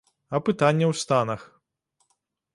А пытанне ў станах.